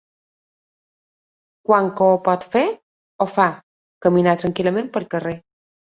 Quan que ho pot fer, ho fa, caminar tranquil·lament pel carrer.